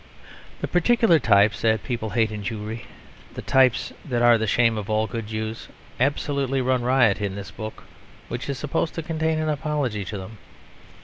The particular types that people hate in Jewry, the types that are the shame of all good Jews, absolutely run riot in this book, which is supposed to contain an apology to them.